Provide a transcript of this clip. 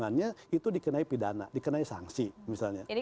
kalau mencari rekomendasi siapa yang terbukti partai mentransaksikan rekomendasi